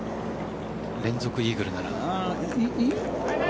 連続イーグルなら。